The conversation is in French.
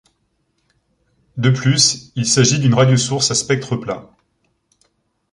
De plus, il s'agit d'une radiosource à spectre plat.